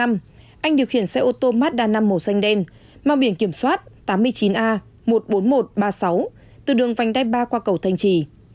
anh điều khiển xe ô tô mazda năm màu xanh đen mang biển kiểm soát tám mươi chín a một mươi bốn nghìn một trăm ba mươi sáu từ đường vành đai ba qua cầu thanh trì